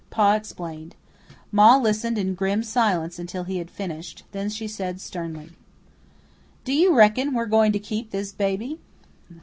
Pa explained. Ma listened in grim silence until he had finished. Then she said sternly: "Do you reckon we're going to keep this baby?"